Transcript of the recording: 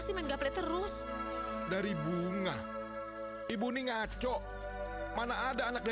pokoknya begitu ibu punya uang